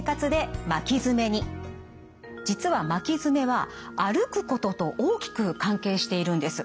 実は巻き爪は歩くことと大きく関係しているんです。